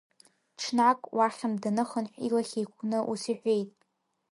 Ҽнак, уахьынтә даныхынҳә, илахь еиқәны ус иҳәеит…